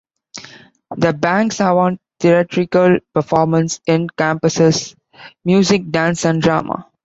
The "bangsawan" theatrical performance encompasses music, dance and drama.